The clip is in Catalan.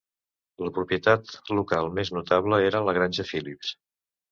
La propietat local més notable era la granja Phillips.